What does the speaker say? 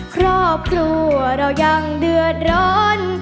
ครอบครัวเรายังเดือดร้อน